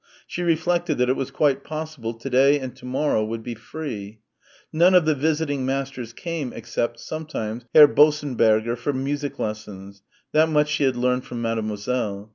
She reflected that it was quite possible to day and to morrow would be free. None of the visiting masters came, except, sometimes, Herr Bossenberger for music lessons that much she had learned from Mademoiselle.